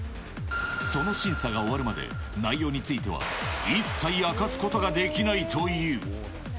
その審査が終わるまで、内容については、一切明かすことができないという。